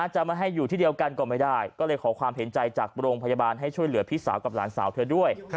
จะไม่ให้อยู่ที่เดียวกันก็ไม่ได้ก็เลยขอความเห็นใจจากโรงพยาบาลให้ช่วยเหลือพี่สาวกับหลานสาวเธอด้วย